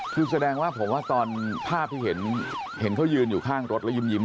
คือแสดงว่าผมว่าตอนภาพที่เห็นเขายืนอยู่ข้างรถแล้วยิ้ม